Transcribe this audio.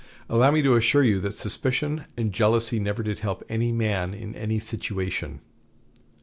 Allow me to assure you that suspicion and jealousy never did help any man in any situation.